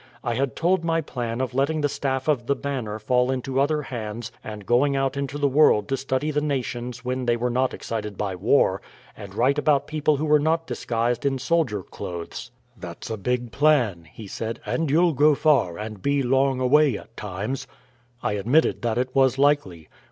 I had told my plan of letting the staff of The Banner fall into other hands and going out into the world to study the nations when they were not excited by war, and write about people who were not disguised in soldier clothes. "That's a big plan," he said, "and you'll go far, and be long away at times." I admitted that it was likely.